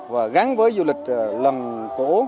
và gắn với du lịch làng cổ